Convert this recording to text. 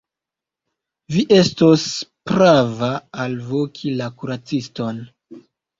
Vi estos prava alvoki la kuraciston.